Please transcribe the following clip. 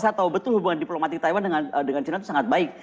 saya tahu betul hubungan diplomatik taiwan dengan china itu sangat baik